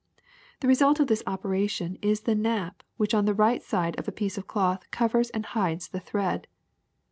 The result of this operation is the nap which on the right side of a piece of cloth covers and hides the thread.